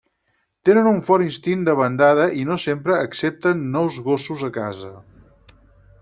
Tenen un fort instint de bandada i no sempre accepten nous gossos a casa.